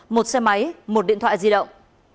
một xe máy một điện thoại di động